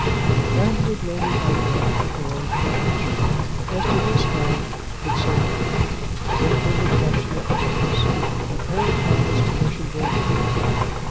"And would Lady Ongar keep her own carriage?" As to this Harry could say nothing. Then came the question of price, and Harry found his commission very difficult.